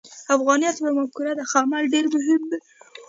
افغانیت یوه مفکوره ده، خو عمل ډېر مهم دی.